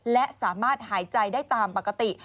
และสามารถหายใจได้ตามปกติ